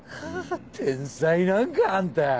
天才なんかあんた。